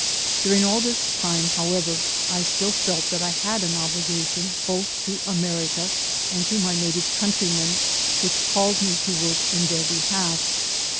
During all this time, however, I still felt that I had an obligation both to America and to my native countrymen which called me to work in their behalf.